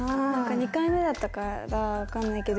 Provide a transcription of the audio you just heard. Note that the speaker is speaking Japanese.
２回目だったからか分からないけど。